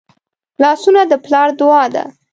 لاسونه د پلار دعا ده